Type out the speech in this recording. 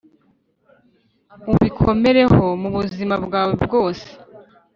ubikomereho mu buzima bwawe bwose,